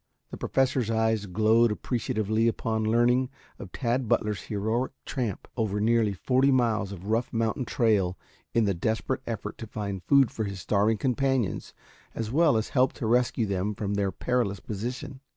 The Professor's eyes glowed appreciatively upon learning of Tad Butler's heroic tramp over nearly forty miles of rough mountain trail in the desperate effort to find food for his starving companions as well as help to rescue them from their perilous position.